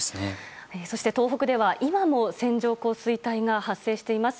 そして東北では今も線状降水帯が発生しています。